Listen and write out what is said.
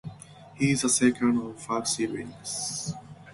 He is the second of five siblings.